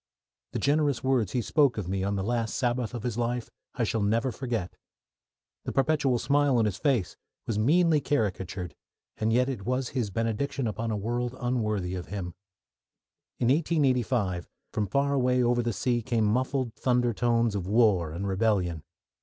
The generous words he spoke of me on the last Sabbath of his life I shall never forget. The perpetual smile on his face was meanly caricatured, and yet it was his benediction upon a world unworthy of him. In 1885, from far away over the sea came muffled thunder tones of war and rebellion.